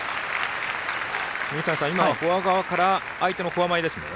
水谷さん、今のはフォア側から相手のフォア前ですね。